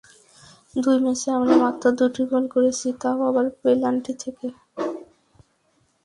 দুই ম্যাচে আমরা মাত্র দুই গোল করেছি, তা-ও আবার পেনাল্টি থেকে।